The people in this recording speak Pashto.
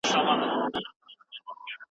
څېړنه دقيق معلومات غواړي.